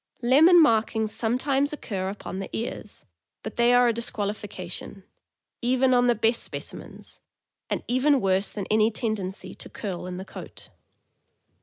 Lemon markings sometimes occur upon the ears, but they are a disqualification, even on the best speci mens, and even worse than any tendency to curl in the coat.